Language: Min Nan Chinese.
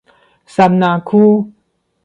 杉林區